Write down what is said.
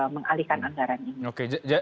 mengalihkan anggaran ini